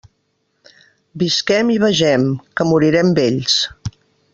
Visquem i vegem, que morirem vells.